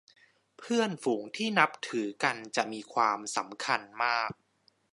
เพื่อนฝูงที่นับถือกันจะมีความสำคัญมาก